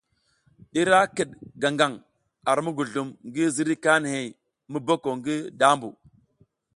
Ira kiɗ gaŋ gang ar muguzlum ngi ziriy kanihey mu boko ngi dambu.